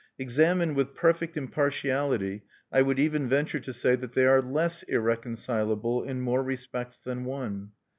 Examined with perfect impartiality, I would even venture to say that they are less irreconcilable in more respects than one.